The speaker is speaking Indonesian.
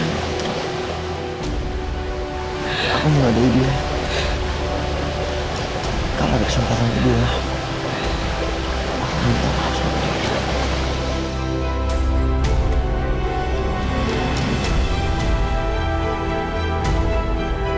jangan lupa like share dan subscribe ya